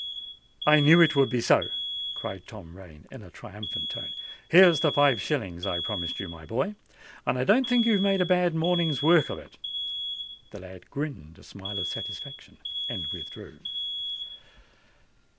"I knew it would be so!" cried Tom Rain in a triumphant tone. "Here's the five shillings I promised you, my boy; and I don't think you've made a bad morning's work of it." The lad grinned a smile of satisfaction, and withdrew.